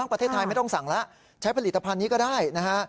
ประเทศไทยไม่ต้องสั่งแล้วใช้ผลิตภัณฑ์นี้ก็ได้นะฮะ